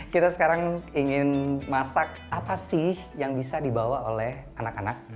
kita sekarang ingin masak apa sih yang bisa dibawa oleh anak anak